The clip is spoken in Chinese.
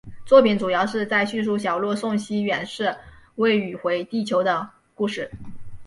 作品主要是在叙述小路送西远寺未宇回地球的故事。